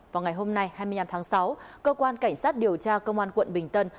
vào ngày hôm nay hai mươi năm tháng sáu cơ quan cảnh sát điều tra công an quận bình tân